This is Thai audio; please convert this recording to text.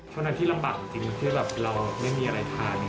เท่านั้นที่ลำบากจริงเพื่อแบบเราไม่มีอะไรทาน